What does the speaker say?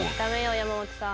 山本さん